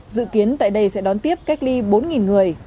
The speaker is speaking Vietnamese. dự kiến tại đây sẽ đón tiếp cách ly bốn người